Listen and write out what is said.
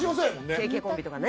ＫＫコンビとかね。